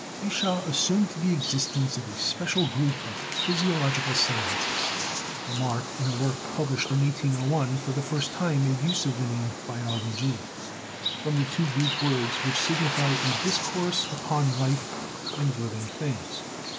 Bichat assumed the existence of a special group of "physiological" sciences. Lamarck, in a work published in 1801, for the first time made use of the name "Biologie," from the two Greek words which signify THE SCIENCE OF LIFE 5 a discourse upon life and living things.